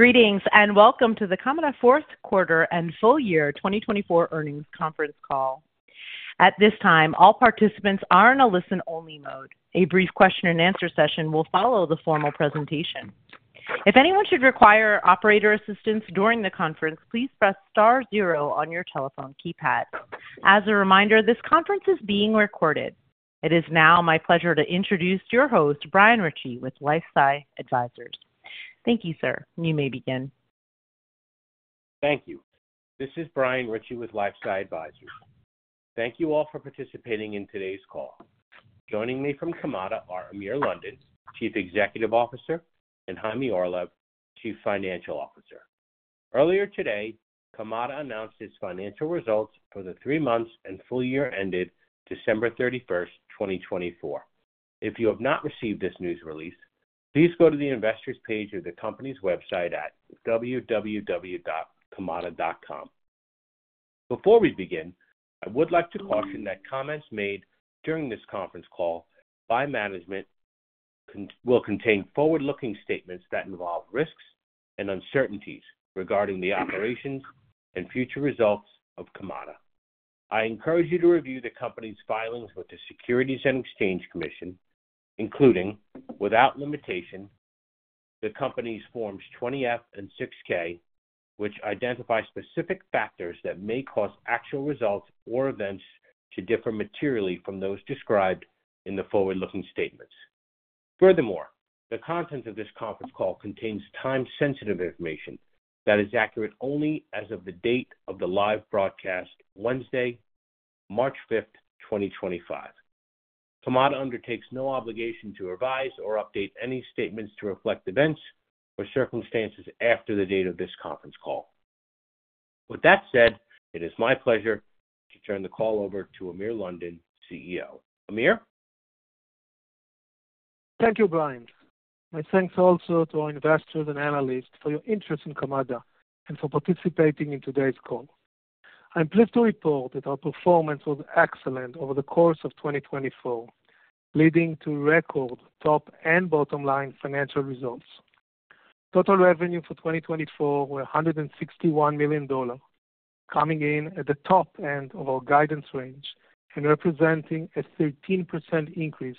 Greetings and welcome to the Kamada Fourth Quarter and Full Year 2024 Earnings Conference Call. At this time, all participants are in a listen-only mode. A brief question-and-answer session will follow the formal presentation. If anyone should require operator assistance during the conference, please press star zero on your telephone keypad. As a reminder, this conference is being recorded. It is now my pleasure to introduce your host, Brian Ritchie, with LifeSci Advisors. Thank you, sir. You may begin. Thank you. This is Brian Ritchie with LifeSci Advisors. Thank you all for participating in today's call. Joining me from Kamada are Amir London, Chief Executive Officer, and Chaime Orlev, Chief Financial Officer. Earlier today, Kamada announced its financial results for the three months and full year ended December 31, 2024. If you have not received this news release, please go to the investors' page of the company's website at www.kamada.com. Before we begin, I would like to caution that comments made during this conference call by management will contain forward-looking statements that involve risks and uncertainties regarding the operations and future results of Kamada. I encourage you to review the company's filings with the Securities and Exchange Commission, including, without limitation, the company's Forms 20-F and 6-K, which identify specific factors that may cause actual results or events to differ materially from those described in the forward-looking statements. Furthermore, the contents of this conference call contain time-sensitive information that is accurate only as of the date of the live broadcast, Wednesday, March 5th, 2025. Kamada undertakes no obligation to revise or update any statements to reflect events or circumstances after the date of this conference call. With that said, it is my pleasure to turn the call over to Amir London, CEO. Amir? Thank you, Brian. My thanks also to our investors and analysts for your interest in Kamada and for participating in today's call. I'm pleased to report that our performance was excellent over the course of 2024, leading to record top and bottom-line financial results. Total revenue for 2024 was $161 million, coming in at the top end of our guidance range and representing a 13% increase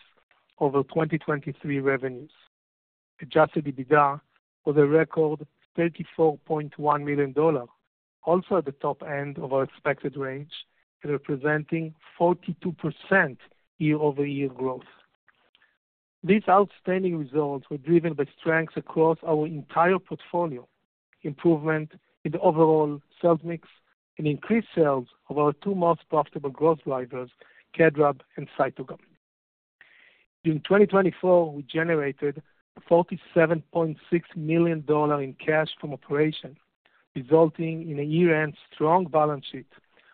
over 2023 revenues. Adjusted EBITDA was a record $34.1 million, also at the top end of our expected range and representing 42% year-over-year growth. These outstanding results were driven by strengths across our entire portfolio: improvement in the overall sales mix and increased sales of our two most profitable growth drivers, Kedrab and Cytogam. In 2024, we generated $47.6 million in cash from operations, resulting in a year-end strong balance sheet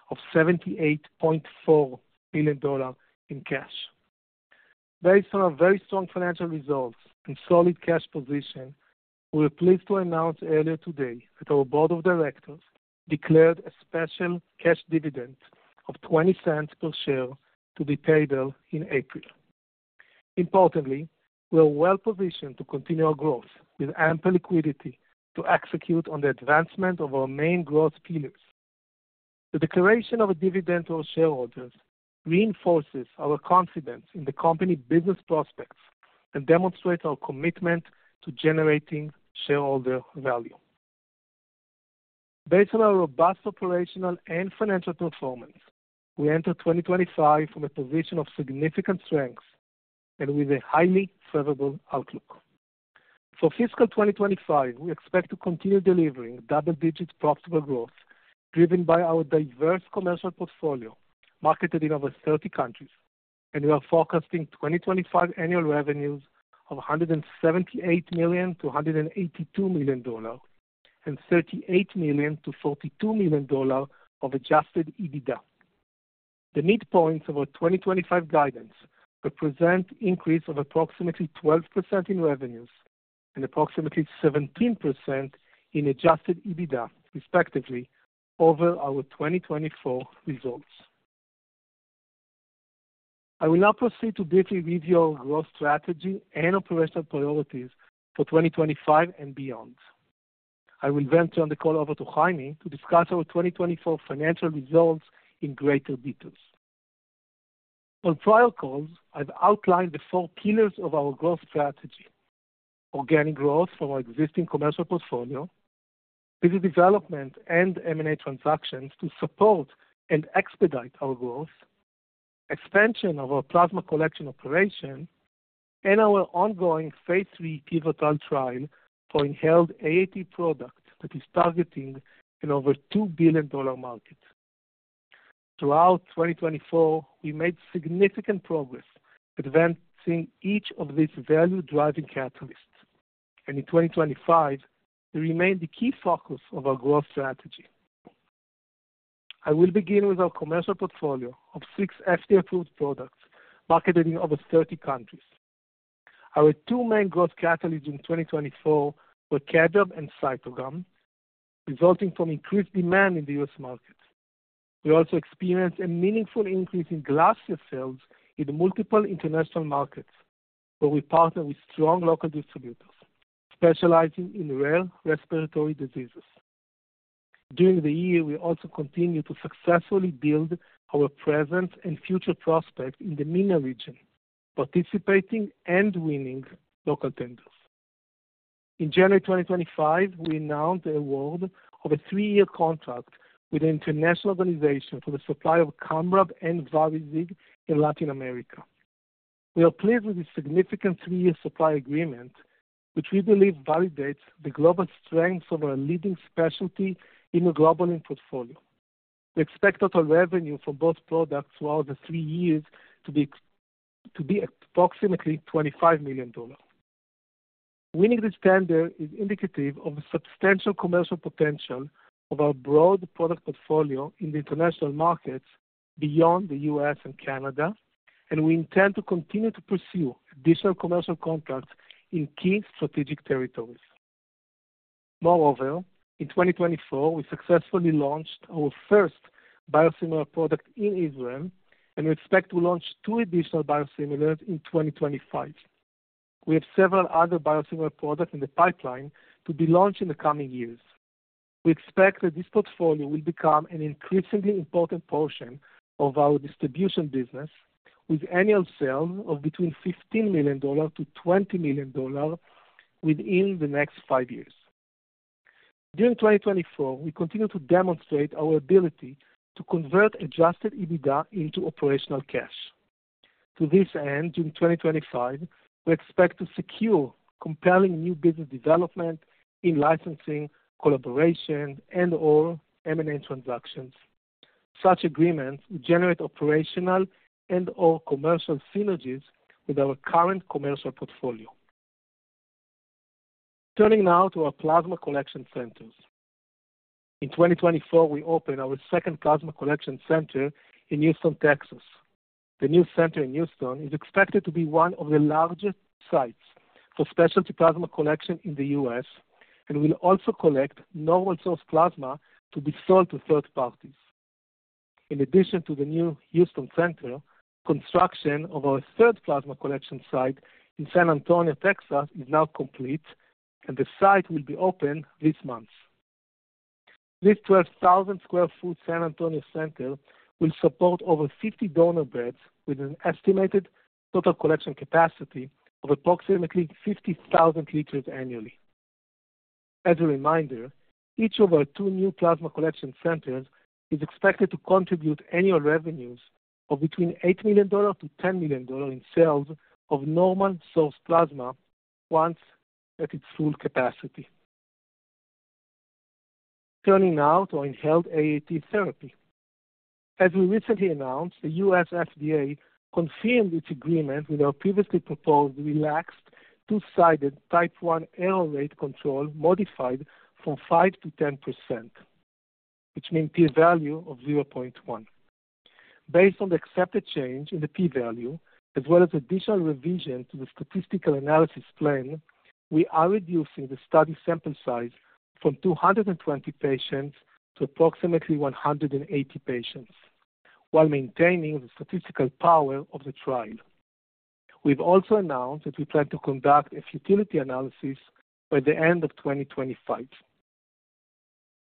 of $78.4 million in cash. Based on our very strong financial results and solid cash position, we were pleased to announce earlier today that our Board of Directors declared a special cash dividend of $0.20 per share to be paid in April. Importantly, we are well-positioned to continue our growth with ample liquidity to execute on the advancement of our main growth pillars. The declaration of a dividend to our shareholders reinforces our confidence in the company's business prospects and demonstrates our commitment to generating shareholder value. Based on our robust operational and financial performance, we enter 2025 from a position of significant strength and with a highly favorable outlook. For fiscal 2025, we expect to continue delivering double-digit profitable growth driven by our diverse commercial portfolio marketed in over 30 countries, and we are forecasting 2025 annual revenues of $178 million-$182 million and $38 million-$42 million of adjusted EBITDA. The mid-point of our 2025 guidance represents an increase of approximately 12% in revenues and approximately 17% in adjusted EBITDA, respectively, over our 2024 results. I will now proceed to briefly review our growth strategy and operational priorities for 2025 and beyond. I will then turn the call over to Jaime to discuss our 2024 financial results in greater detail. On prior calls, I've outlined the four pillars of our growth strategy: organic growth from our existing commercial portfolio, business development and M&A transactions to support and expedite our growth, expansion of our plasma collection operation, and our ongoing phase 3 pivotal trial for inhaled AAT product that is targeting an over $2 billion market. Throughout 2024, we made significant progress advancing each of these value-driving catalysts, and in 2025, they remain the key focus of our growth strategy. I will begin with our commercial portfolio of six FDA-approved products marketed in over 30 countries. Our two main growth catalysts in 2024 were Kedrab and Cytogam, resulting from increased demand in the U.S. market. We also experienced a meaningful increase in Glassia sales in multiple international markets, where we partner with strong local distributors specializing in rare respiratory diseases. During the year, we also continue to successfully build our present and future prospects in the MENA region, participating and winning local tenders. In January 2025, we announced the award of a three-year contract with an international organization for the supply of Kamrab and VariZig in Latin America. We are pleased with this significant three-year supply agreement, which we believe validates the global strengths of our leading specialty in the global portfolio. We expect total revenue from both products throughout the three years to be approximately $25 million. Winning this tender is indicative of the substantial commercial potential of our broad product portfolio in the international markets beyond the U.S. and Canada, and we intend to continue to pursue additional commercial contracts in key strategic territories. Moreover, in 2024, we successfully launched our first biosimilar product in Israel, and we expect to launch two additional biosimilars in 2025. We have several other biosimilar products in the pipeline to be launched in the coming years. We expect that this portfolio will become an increasingly important portion of our distribution business, with annual sales of between $15 million-$20 million within the next five years. During 2024, we continue to demonstrate our ability to convert adjusted EBITDA into operational cash. To this end, in 2025, we expect to secure compelling new business development in licensing, collaboration, and/or M&A transactions. Such agreements will generate operational and/or commercial synergies with our current commercial portfolio. Turning now to our plasma collection centers. In 2024, we open our second plasma collection center in Houston, Texas. The new center in Houston is expected to be one of the largest sites for specialty plasma collection in the U.S. and will also collect normal-source plasma to be sold to third parties. In addition to the new Houston center, the construction of our third plasma collection site in San Antonio, Texas, is now complete, and the site will be opened this month. This 12,000 sq ft San Antonio center will support over 50 donor beds with an estimated total collection capacity of approximately 50,000 liters annually. As a reminder, each of our two new plasma collection centers is expected to contribute annual revenues of between $8 million-$10 million in sales of normal-source plasma once at its full capacity. Turning now to our inhaled AAT therapy. As we recently announced, the U.S. FDA confirmed its agreement with our previously proposed relaxed two-sided type 1 error rate control modified from 5% to 10%, which means p-value of 0.1. Based on the accepted change in the p-value, as well as additional revision to the statistical analysis plan, we are reducing the study sample size from 220 patients to approximately 180 patients, while maintaining the statistical power of the trial. We've also announced that we plan to conduct a futility analysis by the end of 2025.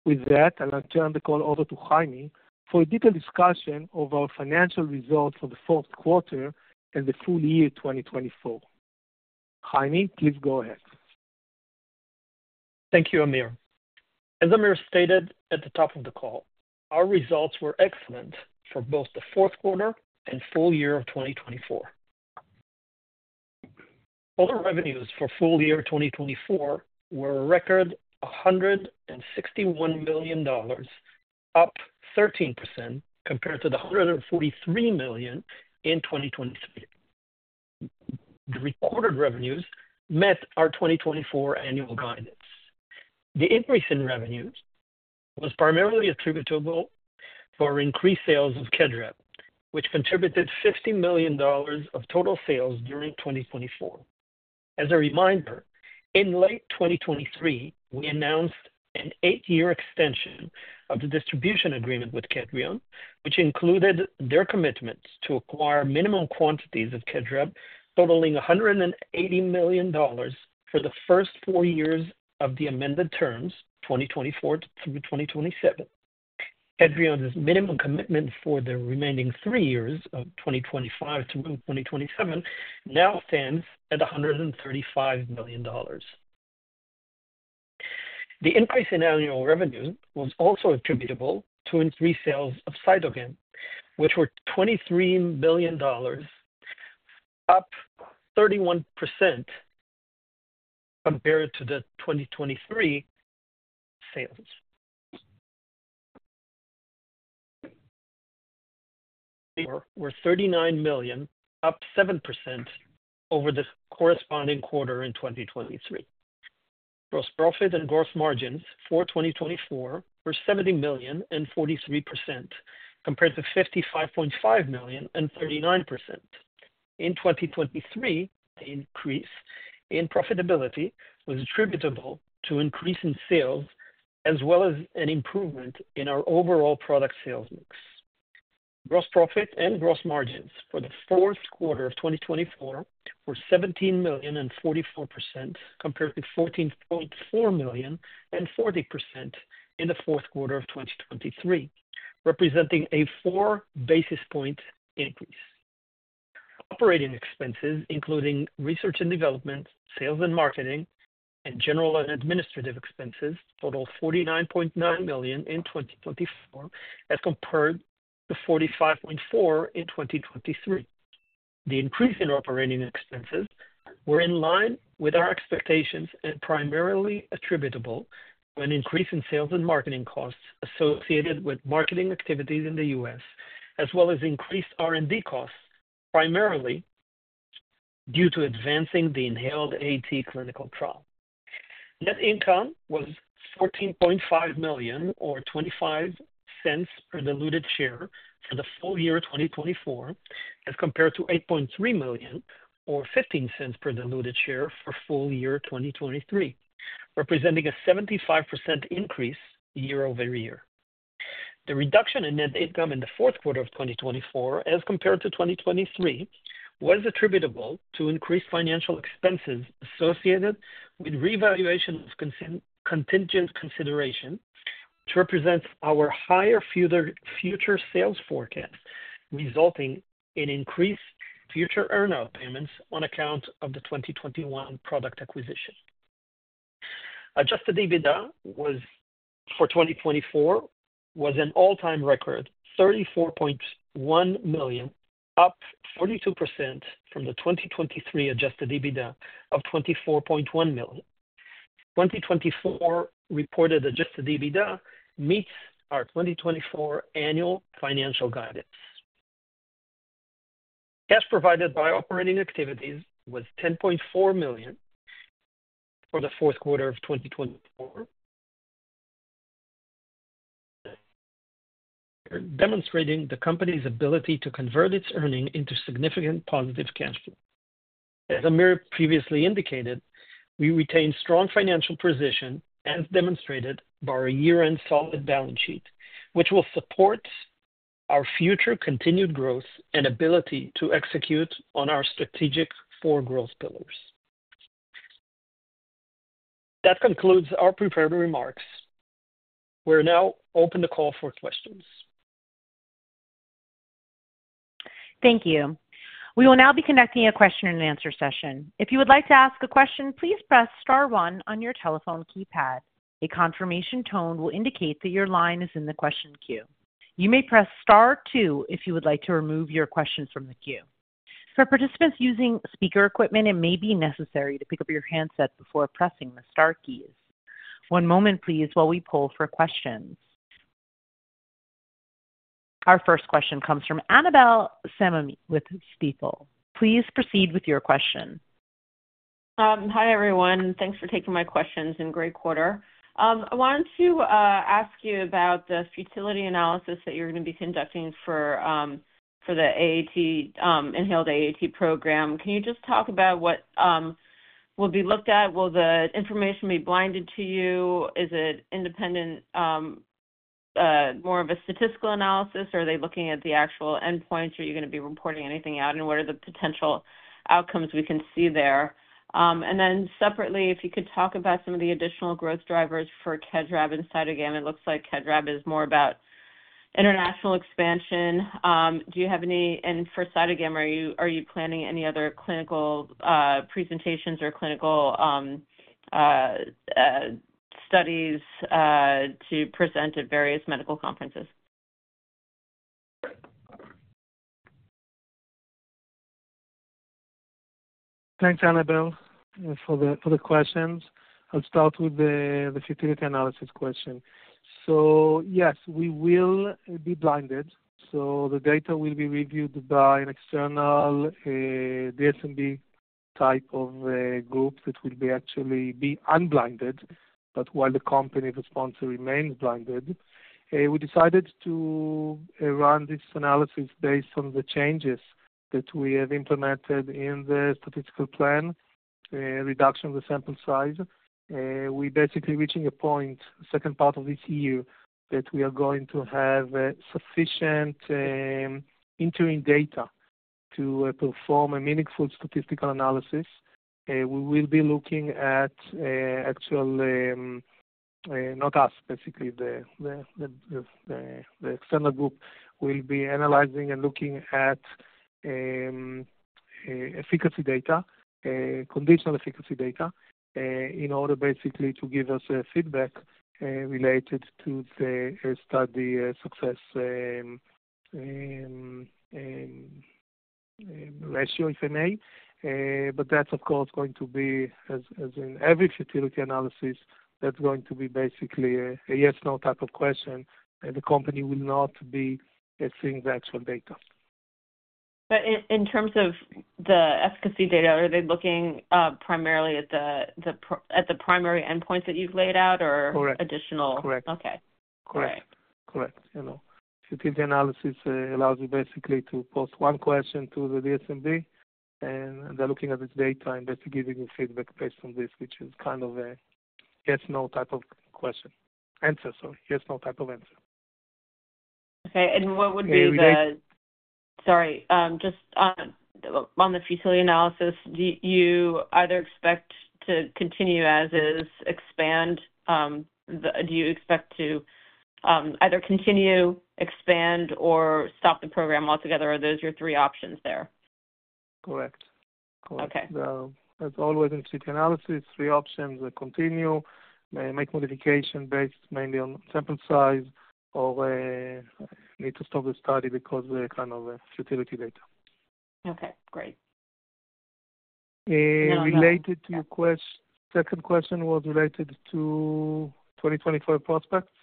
With that, I'll now turn the call over to Chaime for a detailed discussion of our financial results for the fourth quarter and the full year 2024. Chaime, please go ahead. Thank you, Amir. As Amir stated at the top of the call, our results were excellent for both the fourth quarter and full year of 2024. Total revenues for full year 2024 were a record $161 million, up 13% compared to the $143 million in 2023. The reported revenues met our 2024 annual guidance. The increase in revenues was primarily attributable to our increased sales of Kedrab, which contributed $50 million of total sales during 2024. As a reminder, in late 2023, we announced an eight-year extension of the distribution agreement with Kedrion, which included their commitment to acquire minimum quantities of Kedrab totaling $180 million for the first four years of the amended terms, 2024 through 2027. Kedrion's minimum commitment for the remaining three years of 2025 through 2027 now stands at $135 million. The increase in annual revenues was also attributable to increased sales of Cytogam, which were $23 million, up 31% compared to the 2023 sales. We're $39 million, up 7% over the corresponding quarter in 2023. Gross profit and gross margins for 2024 were $70 million and 43% compared to $55.5 million and 39%. In 2023, an increase in profitability was attributable to an increase in sales as well as an improvement in our overall product sales mix. Gross profit and gross margins for the fourth quarter of 2024 were $17 million and 44% compared to $14.4 million and 40% in the fourth quarter of 2023, representing a four-basis point increase. Operating expenses, including research and development, sales and marketing, and general and administrative expenses, totaled $49.9 million in 2024 as compared to $45.4 million in 2023. The increase in operating expenses was in line with our expectations and primarily attributable to an increase in sales and marketing costs associated with marketing activities in the U.S., as well as increased R&D costs, primarily due to advancing the inhaled AAT clinical trial. Net income was $14.5 million, or $0.25 per diluted share for the full year 2024, as compared to $8.3 million, or $0.15 per diluted share for full year 2023, representing a 75% increase year over year. The reduction in net income in the fourth quarter of 2024, as compared to 2023, was attributable to increased financial expenses associated with revaluation of contingent consideration, which represents our higher future sales forecast, resulting in increased future earnout payments on account of the 2021 product acquisition. Adjusted EBITDA for 2024 was an all-time record, $34.1 million, up 42% from the 2023 adjusted EBITDA of $24.1 million. 2024 reported adjusted EBITDA meets our 2024 annual financial guidance. Cash provided by operating activities was $10.4 million for the fourth quarter of 2024, demonstrating the company's ability to convert its earning into significant positive cash flow. As Amir previously indicated, we retain a strong financial position, as demonstrated by our year-end solid balance sheet, which will support our future continued growth and ability to execute on our strategic four growth pillars. That concludes our prepared remarks. We're now open to call for questions. Thank you. We will now be conducting a question-and-answer session. If you would like to ask a question, please press Star 1 on your telephone keypad. A confirmation tone will indicate that your line is in the question queue. You may press Star 2 if you would like to remove your questions from the queue. For participants using speaker equipment, it may be necessary to pick up your handset before pressing the Star keys. One moment, please, while we pull for questions. Our first question comes from Annabel Samimy with Stifel. Please proceed with your question. Hi, everyone. Thanks for taking my questions in great quarter. I wanted to ask you about the futility analysis that you're going to be conducting for the inhaled AAT program. Can you just talk about what will be looked at? Will the information be blinded to you? Is it independent, more of a statistical analysis? Are they looking at the actual endpoints? Are you going to be reporting anything out? What are the potential outcomes we can see there? Separately, if you could talk about some of the additional growth drivers for Kedrab and Cytogam. It looks like Kedrab is more about international expansion. Do you have any—and for Cytogam, are you planning any other clinical presentations or clinical studies to present at various medical conferences? Thanks, Annabel, for the questions. I'll start with the futility analysis question. Yes, we will be blinded. The data will be reviewed by an external DSMB type of group that will actually be unblinded, while the company or the sponsor remains blinded. We decided to run this analysis based on the changes that we have implemented in the statistical plan, reduction of the sample size. We're basically reaching a point, second part of this year, that we are going to have sufficient interim data to perform a meaningful statistical analysis. We will be looking at actual—not us, basically—the external group will be analyzing and looking at efficacy data, conditional efficacy data, in order basically to give us feedback related to the study success ratio, if any. That is, of course, going to be—as in every futility analysis—that is going to be basically a yes/no type of question, and the company will not be seeing the actual data. In terms of the efficacy data, are they looking primarily at the primary endpoints that you've laid out or additional? Correct. Correct. Correct. Futility analysis allows you basically to post one question to the DSMB, and they're looking at this data and basically giving you feedback based on this, which is kind of a yes/no type of question answer, sorry. Yes/no type of answer. Okay. What would be the— And the. Sorry. Just on the futility analysis, do you either expect to continue as is, expand? Do you expect to either continue, expand, or stop the program altogether? Are those your three options there? Correct. Correct. As always in futility analysis, three options: continue, make modification based mainly on sample size, or need to stop the study because of kind of futility data. Okay. Great. Related to your question, the second question was related to 2024 prospects.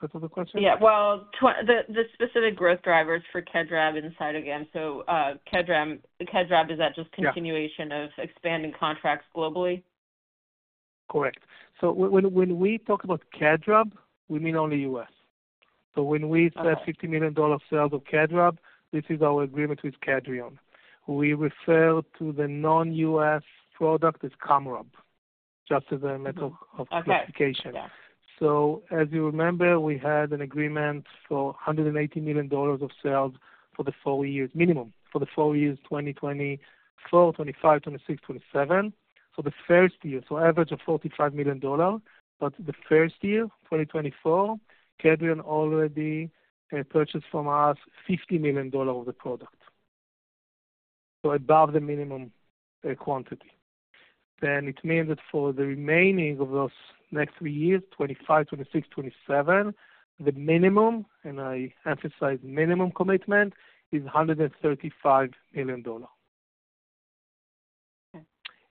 That was the question? Yeah. The specific growth drivers for Kedrab and Cytogam. So Kedrab, is that just continuation of expanding contracts globally? Correct. When we talk about Kedrab, we mean only U.S. When we said $50 million sales of Kedrab, this is our agreement with Kedrion. We refer to the non-U.S. product as Kamrab, just as a method of classification. As you remember, we had an agreement for $180 million of sales for the four years, minimum, for the four years 2024, 2025, 2026, 2027. The first year, so average of $45 million, but the first year, 2024, Kedrion already purchased from us $50 million of the product, so above the minimum quantity. It means that for the remaining of those next three years, 2025, 2026, 2027, the minimum, and I emphasize minimum commitment, is $135 million. Okay.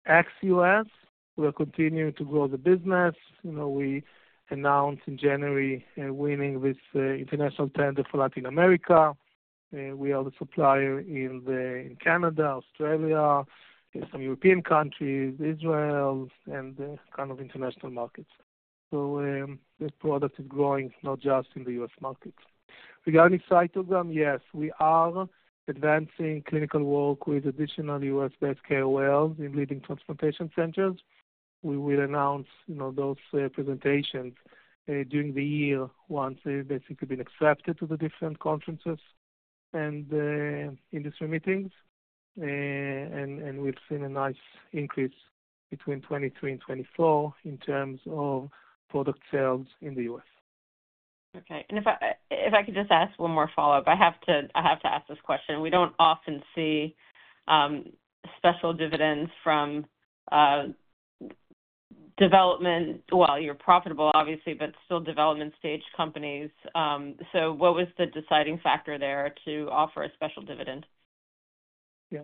Ex-U.S., we are continuing to grow the business. We announced in January winning this international tender for Latin America. We are the supplier in Canada, Australia, some European countries, Israel, and kind of international markets. This product is growing not just in the U.S. market. Regarding Cytogam, yes, we are advancing clinical work with additional U.S.-based KOLs in leading transplantation centers. We will announce those presentations during the year once they have basically been accepted to the different conferences and industry meetings. We have seen a nice increase between 2023 and 2024 in terms of product sales in the U.S. Okay. If I could just ask one more follow-up, I have to ask this question. We do not often see special dividends from development—well, you are profitable, obviously, but still development-stage companies. What was the deciding factor there to offer a special dividend? Yeah.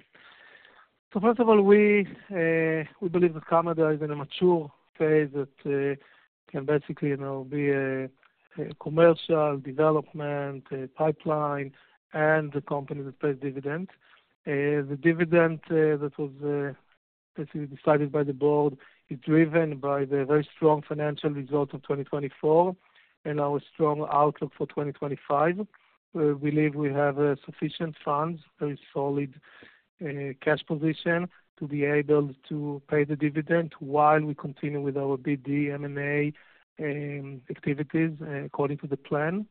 First of all, we believe that Kamada is in a mature phase that can basically be a commercial development pipeline and the company that pays dividends. The dividend that was basically decided by the board is driven by the very strong financial results of 2024 and our strong outlook for 2025. We believe we have sufficient funds, very solid cash position to be able to pay the dividend while we continue with our BD, M&A activities according to the plan.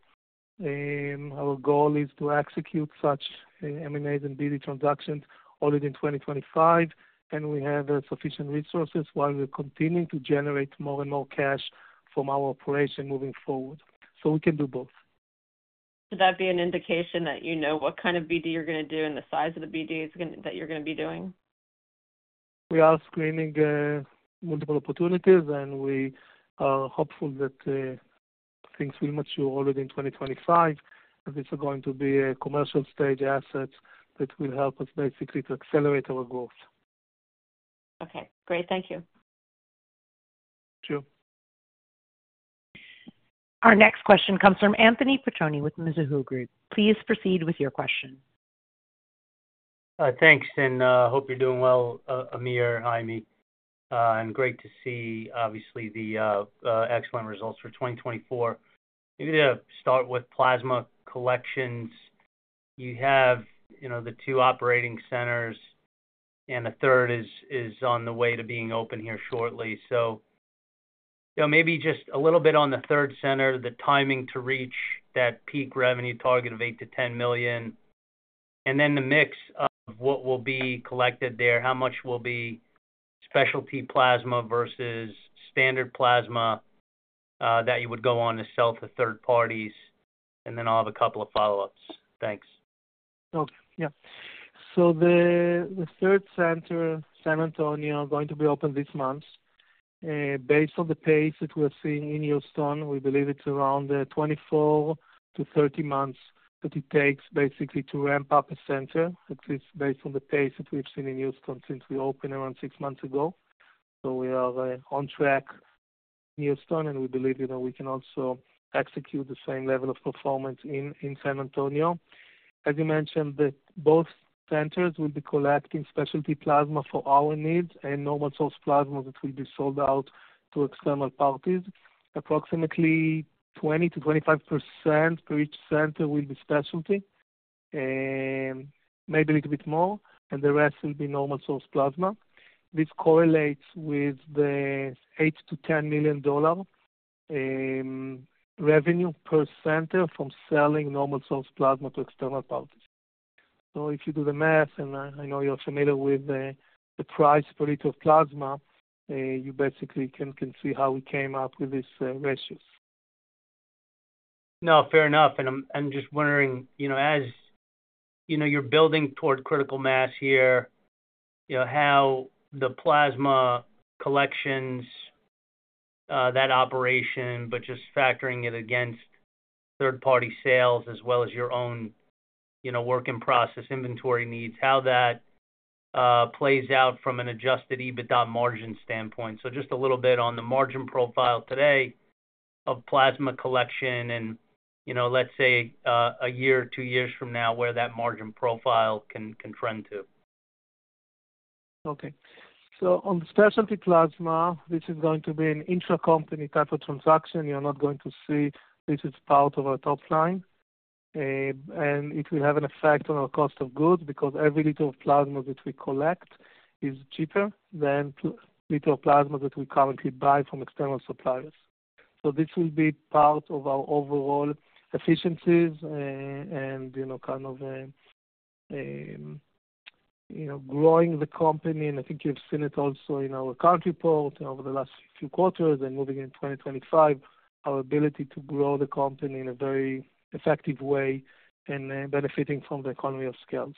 Our goal is to execute such M&As and BD transactions already in 2025, and we have sufficient resources while we're continuing to generate more and more cash from our operation moving forward. We can do both. Would that be an indication that you know what kind of BD you're going to do and the size of the BD that you're going to be doing? We are screening multiple opportunities, and we are hopeful that things will mature already in 2025, as these are going to be commercial-stage assets that will help us basically to accelerate our growth. Okay. Great. Thank you. Sure. Our next question comes from Anthony Petroni with Mizuho Group. Please proceed with your question. Thanks. I hope you're doing well, Amir and Jaime. Great to see, obviously, the excellent results for 2024. Maybe to start with plasma collections, you have the two operating centers, and the third is on the way to being open here shortly. Maybe just a little bit on the third center, the timing to reach that peak revenue target of $8 million-$10 million, and then the mix of what will be collected there, how much will be specialty plasma versus standard plasma that you would go on to sell to third parties. I'll have a couple of follow-ups. Thanks. Okay. Yeah. The third center, San Antonio, is going to be open this month. Based on the pace that we're seeing in Houston, we believe it's around 24-30 months that it takes basically to ramp up a center, at least based on the pace that we've seen in Houston since we opened around six months ago. We are on track in Houston, and we believe we can also execute the same level of performance in San Antonio. As you mentioned, both centers will be collecting specialty plasma for our needs and normal-source plasma that will be sold out to external parties. Approximately 20-25% for each center will be specialty, maybe a little bit more, and the rest will be normal-source plasma. This correlates with the $8-10 million revenue per center from selling normal-source plasma to external parties. If you do the math, and I know you're familiar with the price per liter of plasma, you basically can see how we came up with these ratios. No, fair enough. I'm just wondering, as you're building toward critical mass here, how the plasma collections, that operation, but just factoring it against third-party sales as well as your own work in process inventory needs, how that plays out from an adjusted EBITDA margin standpoint. Just a little bit on the margin profile today of plasma collection and, let's say, a year or two years from now, where that margin profile can trend to. Okay. On specialty plasma, this is going to be an intra-company type of transaction. You're not going to see this as part of our top line. It will have an effect on our cost of goods because every liter of plasma that we collect is cheaper than a liter of plasma that we currently buy from external suppliers. This will be part of our overall efficiencies and kind of growing the company. I think you've seen it also in our current report over the last few quarters and moving into 2025, our ability to grow the company in a very effective way and benefiting from the economy of scales.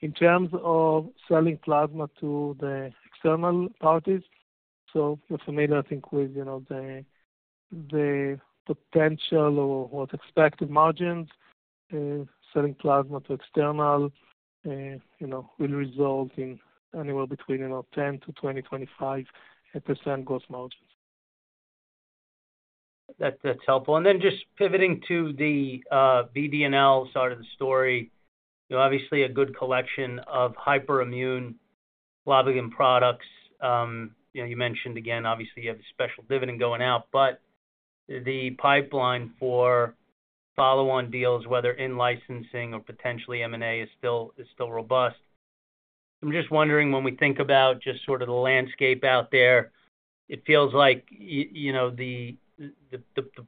In terms of selling plasma to the external parties, you're familiar, I think, with the potential or expected margins. Selling plasma to external will result in anywhere between 10-20, 25% gross margins. That's helpful. Then just pivoting to the BD&L side of the story, obviously, a good collection of hyperimmune globulin products. You mentioned, again, obviously, you have a special dividend going out, but the pipeline for follow-on deals, whether in licensing or potentially M&A, is still robust. I'm just wondering, when we think about just sort of the landscape out there, it feels like the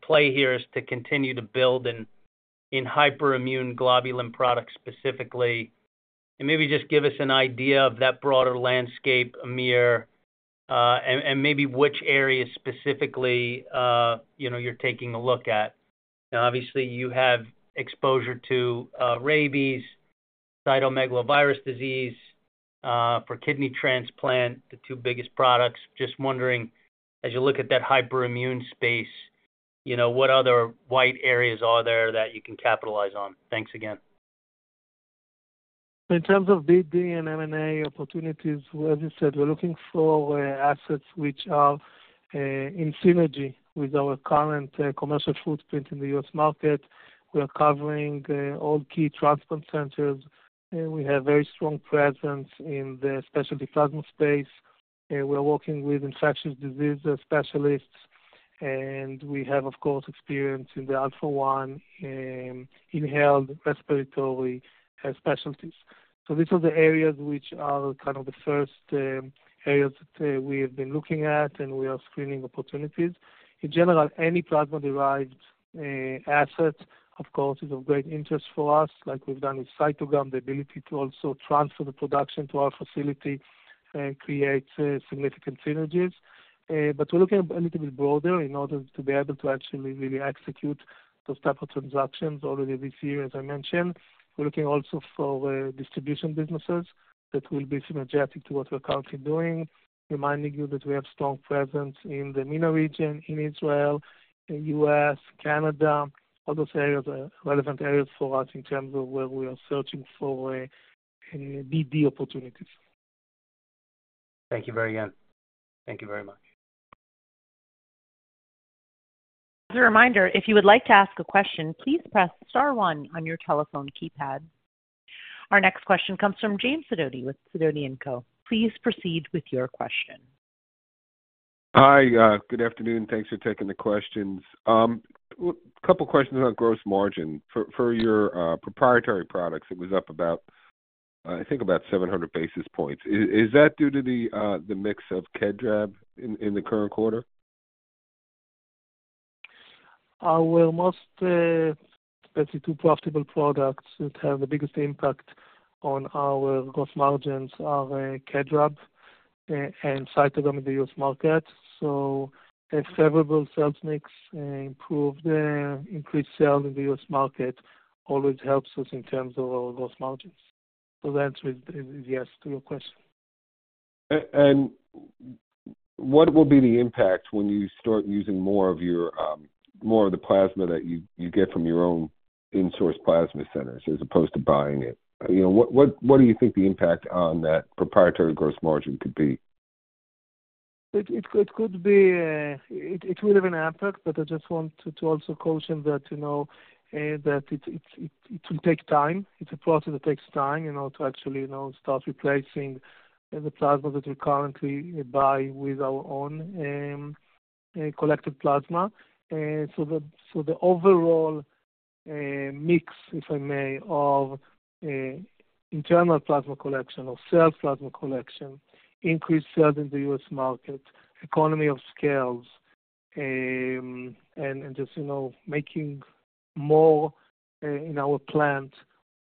play here is to continue to build in hyperimmune globulin products specifically. Maybe just give us an idea of that broader landscape, Amir, and maybe which areas specifically you're taking a look at. Now, obviously, you have exposure to rabies, cytomegalovirus disease for kidney transplant, the two biggest products. Just wondering, as you look at that hyperimmune space, what other white areas are there that you can capitalize on? Thanks again. In terms of BD and M&A opportunities, as you said, we're looking for assets which are in synergy with our current commercial footprint in the U.S. market. We are covering all key transplant centers. We have a very strong presence in the specialty plasma space. We are working with infectious disease specialists, and we have, of course, experience in the alpha-1 inhaled respiratory specialties. These are the areas which are kind of the first areas that we have been looking at, and we are screening opportunities. In general, any plasma-derived asset, of course, is of great interest for us, like we've done with Cytogam, the ability to also transfer the production to our facility and create significant synergies. We are looking a little bit broader in order to be able to actually really execute those type of transactions already this year, as I mentioned. We're looking also for distribution businesses that will be synergetic to what we're currently doing, reminding you that we have a strong presence in the MENA region, in Israel, U.S., Canada. All those areas are relevant areas for us in terms of where we are searching for BD opportunities. Thank you very much. As a reminder, if you would like to ask a question, please press star 1 on your telephone keypad. Our next question comes from James Sadoti with Sadoti & Co. Please proceed with your question. Hi. Good afternoon. Thanks for taking the questions. A couple of questions on gross margin. For your proprietary products, it was up about, I think, about 700 basis points. Is that due to the mix of Kedrab in the current quarter? Our most basically profitable products that have the biggest impact on our gross margins are Kedrab and Cytogam in the U.S. market. A favorable sales mix and increased sales in the U.S. market always helps us in terms of our gross margins. That is with yes to your question. What will be the impact when you start using more of the plasma that you get from your own in-source plasma centers as opposed to buying it? What do you think the impact on that proprietary gross margin could be? It could be a it will have an impact, but I just want to also caution that it will take time. It's a process that takes time to actually start replacing the plasma that we currently buy with our own collected plasma. The overall mix, if I may, of internal plasma collection or sales plasma collection, increased sales in the U.S. market, economy of scales, and just making more in our plants,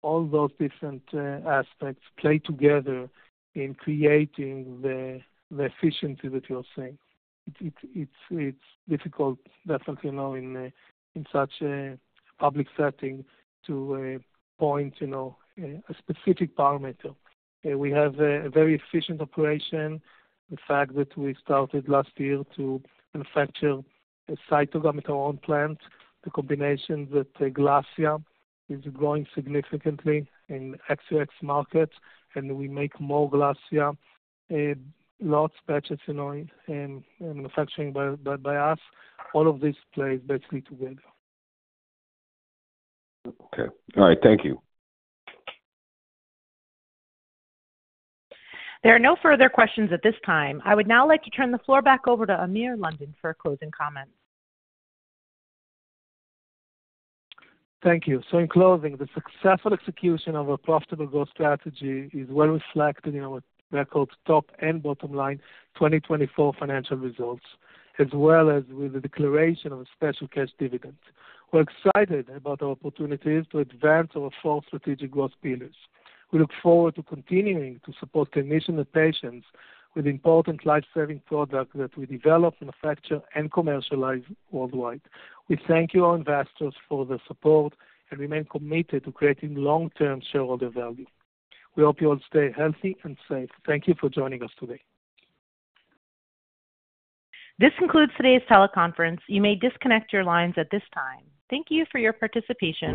all those different aspects play together in creating the efficiency that you're seeing. It's difficult, definitely, in such a public setting to point a specific parameter. We have a very efficient operation, the fact that we started last year to manufacture Cytogam with our own plants, the combination that Glassia is growing significantly in XOX markets, and we make more Glassia lots batches manufacturing by us. All of this plays basically together. Okay. All right. Thank you. There are no further questions at this time. I would now like to turn the floor back over to Amir London for closing comments. Thank you. In closing, the successful execution of our profitable growth strategy is well reflected in our record top and bottom line 2024 financial results, as well as with the declaration of a special cash dividend. We are excited about our opportunities to advance our four strategic growth pillars. We look forward to continuing to support clinicians and patients with important lifesaving products that we develop, manufacture, and commercialize worldwide. We thank you, our investors, for the support and remain committed to creating long-term shareholder value. We hope you all stay healthy and safe. Thank you for joining us today. This concludes today's teleconference. You may disconnect your lines at this time. Thank you for your participation.